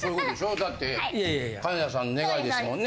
だって金田さんの願いですもんね。